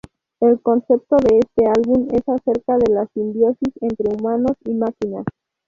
El concepto de este álbum es acerca de la simbiosis entre humanos y máquinas.